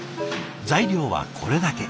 材料はこれだけ。